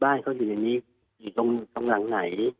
บ้านเขาอยู่ในนี้อยู่ตรงหลังไหน